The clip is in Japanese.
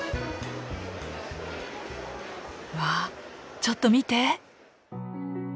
わちょっと見て！